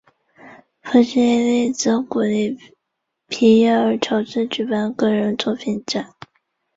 吉福利则鼓励皮耶尔乔治举办个人作品展。